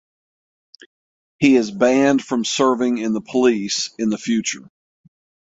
He is banned from serving in the police in the future.